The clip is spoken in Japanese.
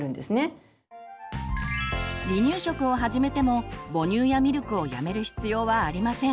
離乳食を始めても母乳やミルクをやめる必要はありません。